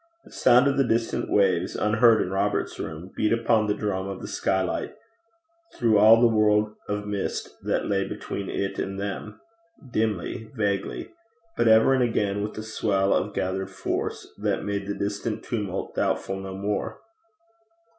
The sound of the distant waves, unheard in Robert's room, beat upon the drum of the skylight, through all the world of mist that lay between it and them dimly, vaguely but ever and again with a swell of gathered force, that made the distant tumult doubtful no more.